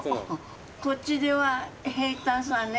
こっちでは平たんさね。